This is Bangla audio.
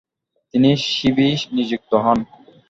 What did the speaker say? তিনি সিবিই নিযুক্ত হন।